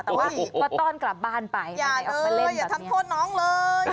แต่ว่าต้อนกลับบ้านไปมาเล่นแบบนี้อย่าเลยอย่าทำโทษน้องเลย